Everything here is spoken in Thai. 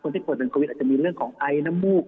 ที่ป่วยเป็นโควิดอาจจะมีเรื่องของไอน้ำมูก